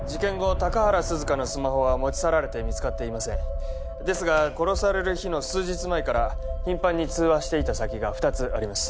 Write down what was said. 高原涼香のスマホは持ち去られて見つかっていませんですが殺される日の数日前から頻繁に通話していた先が二つあります